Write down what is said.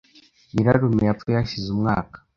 Nyirarume yapfuye hashize umwaka .